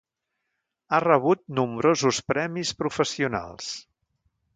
Ha rebut nombrosos premis professionals.